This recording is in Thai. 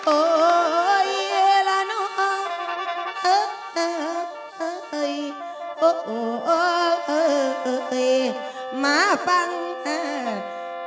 โอ้ยเหล่าน้อยโอ้ยมาฟังใจ